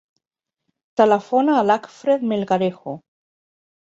Telefona a l'Acfred Melgarejo.